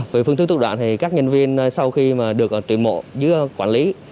về phương thức thủ đoạn thì các nhân viên sau khi mà được tùy mộ dưới quản lý